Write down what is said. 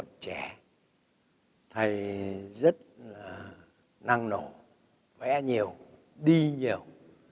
còn trẻ thầy rất là năng nổ vẽ nhiều đi nhiều